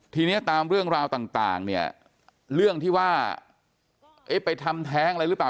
ทีนี้ตามเรื่องราวต่างเนี่ยเรื่องที่ว่าเอ๊ะไปทำแท้งอะไรหรือเปล่า